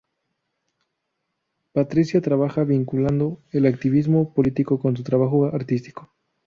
Patricia trabaja vinculando el activismo político con su trabajo artístico.